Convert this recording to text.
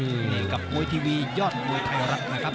นี่กับโบย์ทีวียอดโบย์ไทยรักนะครับ